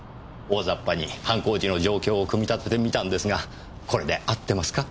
大雑把に犯行時の状況を組み立ててみたんですがこれで合ってますか？